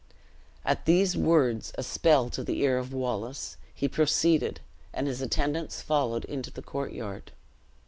At these words, a spell to the ear of Wallace, he proceeded; and his attendants followed into the courtyard.